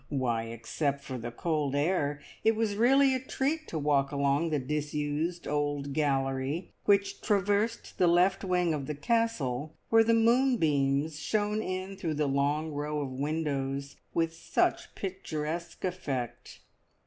Why, except for the cold air, it was really a treat to walk along the disused old gallery which traversed the left wing of the Castle, where the moonbeams shone in through the long row of windows with such picturesque effect.